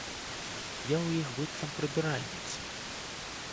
Я ў іх быццам прыбіральніца.